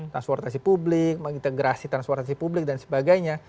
transportasi publik mengintegrasi transportasi publik dan sebagainya